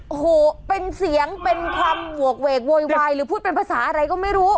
โอ้โหเป็นเสียงเป็นความหวกเวกโวยวายหรือพูดเป็นภาษาอะไรก็ไม่รู้